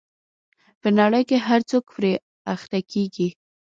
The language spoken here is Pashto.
په نړۍ کې هر څوک پرې اخته کېږي.